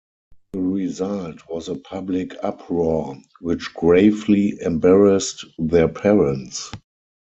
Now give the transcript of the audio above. The result was a public uproar which gravely embarrassed their parents.